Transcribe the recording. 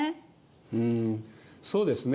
うんそうですね。